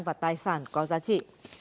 và tài sản có giá trị